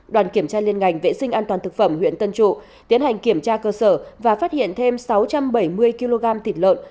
đoàn kiểm tra liên ngành vệ sinh an toàn thực phẩm huyện tân trụ tiến hành kiểm tra cơ sở và phát hiện thêm sáu trăm bảy mươi kg thịt lợn